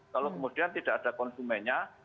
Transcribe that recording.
kalau kemudian tidak ada konsumennya